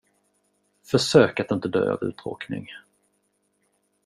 Försök att inte dö av uttråkning.